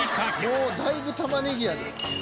「もうだいぶたまねぎやで」